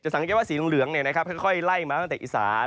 สังเกตว่าสีเหลืองค่อยไล่มาตั้งแต่อีสาน